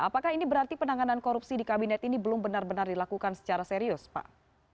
apakah ini berarti penanganan korupsi di kabinet ini belum benar benar dilakukan secara serius pak